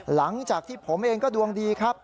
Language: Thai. หลังจากที่ผมเองก็ดวงดีครับ